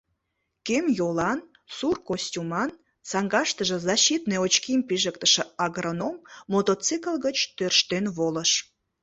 Кем йолан, сур костюман, саҥгаштыже защитный очким пижыктыше агроном мотоцикл гыч тӧрштен волыш.